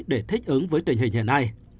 để thích ứng với tình hình hiện nay